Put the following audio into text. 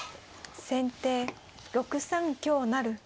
先手６三香成。